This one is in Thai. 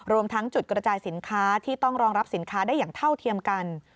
รวมทั้งจุดกระจายสินค้าที่ต้องรองรับสินค้าได้อย่างเท่าเทียมกัน